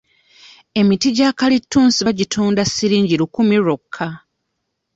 Emiti gya kalitunsi bagitunda siringi lukumi lwokka.